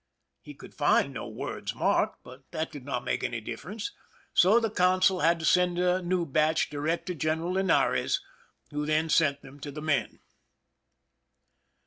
He could find no words marked, but that did not make any difference ; so the consul had to send a new batch direct to Q en eral Linares, who then sent them to the men.